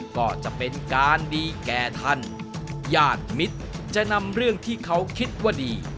ก็จะเป็นการดีแก่ท่านญาติมิตรจะนำเรื่องที่เขาคิดว่าดี